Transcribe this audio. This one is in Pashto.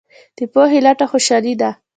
د پوهې لټه خوشحالي ده.